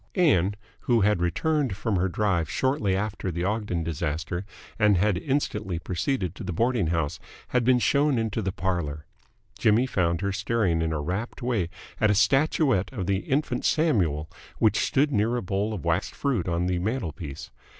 Ann, who had returned from her drive shortly after the Ogden disaster and had instantly proceeded to the boarding house, had been shown into the parlour. Jimmy found her staring in a rapt way at a statuette of the Infant Samuel which stood near a bowl of wax fruit on the mantelpiece.